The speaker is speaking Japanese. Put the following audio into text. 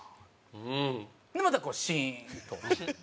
でまたシーンと。